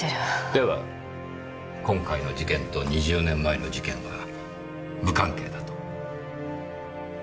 では今回の事件と２０年前の事件は無関係だと？